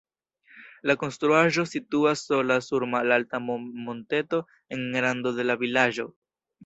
La konstruaĵo situas sola sur malalta monteto en rando de la vilaĝo.